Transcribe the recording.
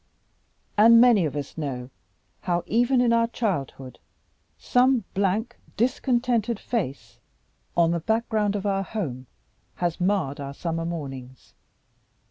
And many of us know how, even in our childhood, some blank discontented face on the background of our home has marred our summer mornings.